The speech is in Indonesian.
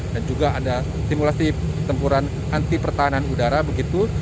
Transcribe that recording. dan juga ada simulasi tempuran anti pertahanan udara begitu